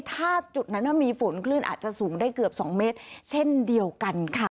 ถ้าจุดนั้นมีฝนคลื่นอาจจะสูงได้เกือบ๒เมตรเช่นเดียวกันค่ะ